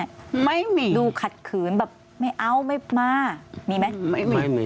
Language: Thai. ไม่มีดูขัดขืนแบบไม่เอาไม่มามีไหมไม่มีไม่มี